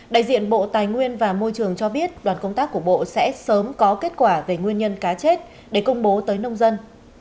đại diện bộ tài nguyên và môi trường cho biết đoàn công tác của bộ sẽ sớm có kết quả về nguyên nhân cá chết để công bố tới nông dân